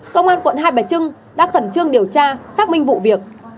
công an quận hai bà trưng đã khẩn trương điều tra xác minh vụ việc